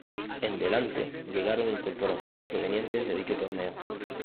En delante llegaron incorporaciones provenientes de dicho torneo.